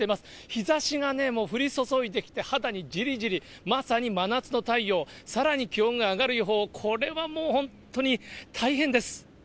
日ざしがね、もう降り注いできて、肌にじりじり、まさに真夏の太陽、さらに気温が上がる予報、これはもう、本当に大変です。